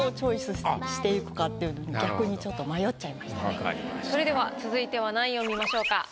なのでその面ではそれでは続いては何位を見ましょうか？